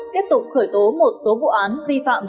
tiếp tục khởi tố một số vụ án vi phạm